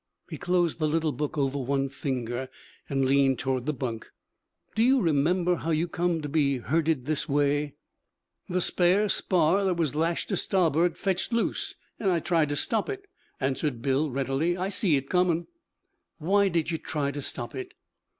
He closed the little book over one finger, and leaned toward the bunk. 'Do you remember how you come to be hurted this way?' 'The spare spar that was lashed to starboard fetched loose, an' I tried to stop it,' answered Bill readily. 'I see it comin'.' 'Why did you try to stop it?'